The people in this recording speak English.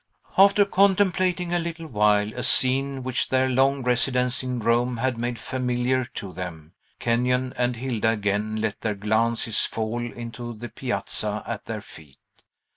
After contemplating a little while a scene which their long residence in Rome had made familiar to them, Kenyon and Hilda again let their glances fall into the piazza at their feet.